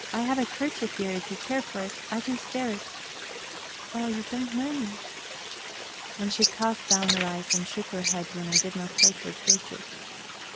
I have a kerchief here, if you care for it; I can spare it... Oh, you don't know me." And she cast down her eyes and shook her head when I did not take her kerchief.